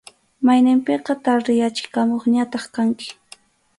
Mayninpiqa tardeyachikamuqñataq kani.